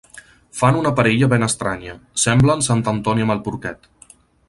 Fan una parella ben estranya. Semblen sant Antoni amb el porquet.